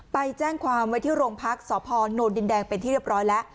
ไปแจ้งความไว้ที่โรงพักษ์สพนดินแดงเป็นที่เรียบร้อยแล้ว